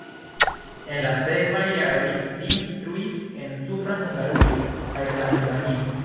En la sekvaj jaroj li instruis en Supra Hungarujo kaj Transilvanio.